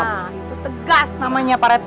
nah itu tegas namanya pak red